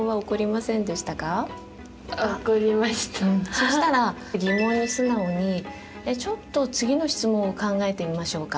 そしたら疑問に素直にちょっと次の質問を考えてみましょうか。